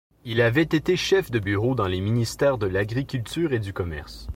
Il avait été chef de bureau dans les ministères de l'agriculture et du commerce.